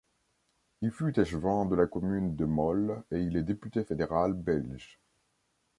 Il fut échevin de la commune de Mol et il est député fédéral belge.